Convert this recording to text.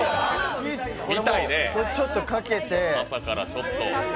ちょっとかけて。